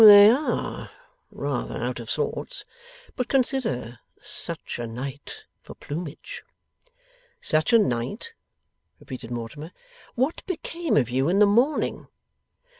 They ARE rather out of sorts. But consider. Such a night for plumage!' 'Such a night?' repeated Mortimer. 'What became of you in the morning?